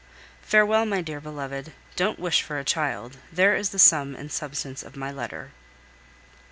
Farewell, my dear beloved. Don't wish for a child there is the sum and substance of my letter!